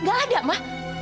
gak ada ma